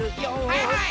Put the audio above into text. はいはい。